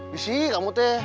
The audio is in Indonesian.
gak apa apa kamu tuh